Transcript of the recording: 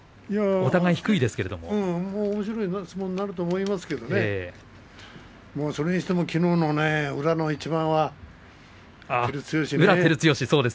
おもしろい相撲になると思いますけど、それにしてもきのうの宇良の一番は。